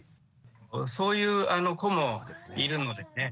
そういう子もいるのでね。